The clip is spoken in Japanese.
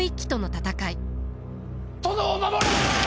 殿を守れ！